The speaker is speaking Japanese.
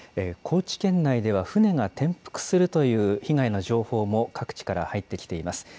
高知県内では船が転覆するという被害の情報も各地から入ってきています。